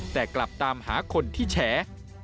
แต่กลับตามหาคนที่แฉ